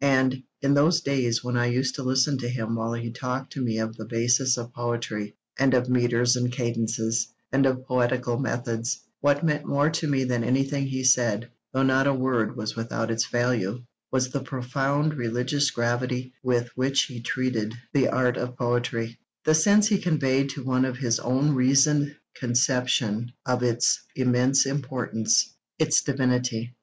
And, in those days when I used to listen to him while he talked to me of the basis of poetry, and of metres and cadences, and of poetical methods, what meant more to me than anything he said, though not a word was without its value, was the profound religious gravity with which he treated the art of poetry, the sense he conveyed to one of his own reasoned conception of its immense importance, its divinity.